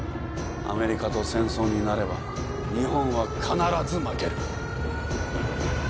アメリカと戦争になれば日本は必ず負ける。